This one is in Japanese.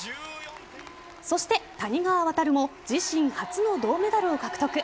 そして谷川航も自身初の銅メダルを獲得。